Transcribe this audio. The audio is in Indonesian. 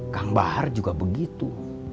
kambahar juga begitu